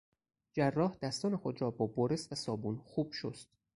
جراح دستان خود را با برس و صابون خوب شست.